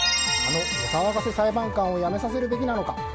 あのお騒がせ裁判官を辞めさせるべきなのか。